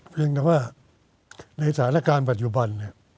เพียงแต่ว่ามันในสาระการปัจจุบัล